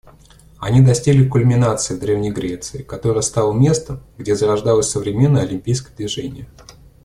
Они достигли кульминации в древней Греции, которая стала местом, где зарождалось современное Олимпийское движение.